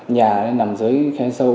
nhà nằm dưới khe sâu